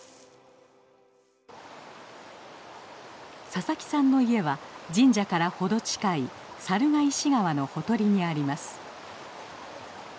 佐々木さんの家は神社から程近い猿ヶ石川のほとりにあります。